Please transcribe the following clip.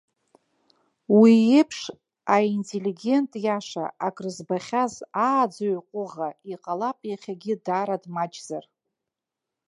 Уи иеиԥш аинтеллигент иаша, акрызбахьаз, ааӡаҩ ҟәыӷа, иҟалап, иахьагьы даара дмаҷзар.